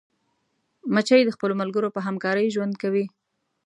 مچمچۍ د خپلو ملګرو په همکارۍ ژوند کوي